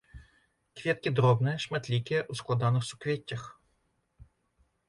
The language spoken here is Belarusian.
Кветкі дробныя, шматлікія, у складаных суквеццях.